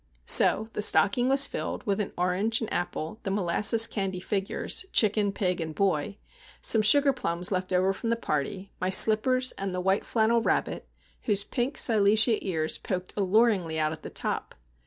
So, the stocking was filled, with an orange, an apple, the molasses candy figures,—chicken, pig, boy,—some sugar plums left over from the party, my slippers, and the white flannel rabbit, whose pink silesia ears poked alluringly out at the top.